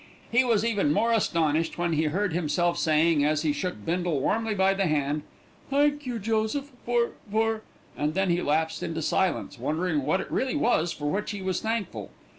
He was even more astonished when he heard himself saying, as he shook Bindle warmly by the hand, "Thank you, Joseph, for for " And then he lapsed into silence, wondering what it really was for which he was thankful.